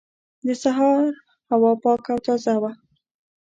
د سهار هوا پاکه او تازه وه.